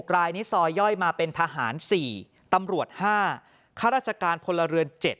รายนี้ซอยย่อยมาเป็นทหาร๔ตำรวจ๕ข้าราชการพลเรือน๗